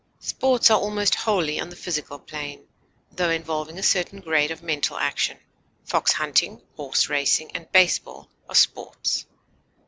Sports are almost wholly on the physical plane, tho involving a certain grade of mental action; fox hunting, horse racing, and baseball are sports.